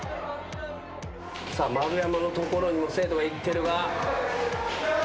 さあ丸山の所にも生徒が行ってるが。